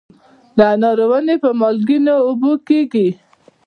د انارو ونې په مالګینو اوبو کیږي؟